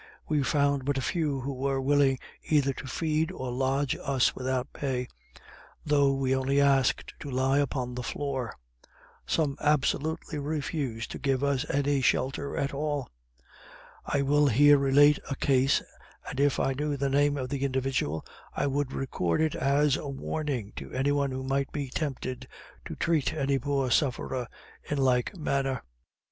We found but few who were willing either to feed or lodge us without pay, though we only asked to lie upon the floor. Some absolutely refused to give us any shelter at all. I will here relate a case, and if I knew the name of the individual I would record it as a Warning to any one who might be tempted to treat any poor sufferer in like manner.